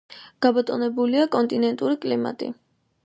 გაბატონებულია კონტინენტური კლიმატი.